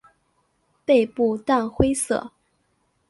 背部淡灰色。